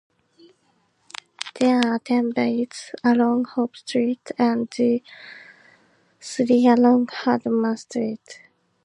There are ten bays along Hope Street and three along Hardman Street.